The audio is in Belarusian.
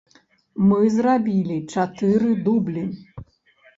Мы зрабілі чатыры дублі.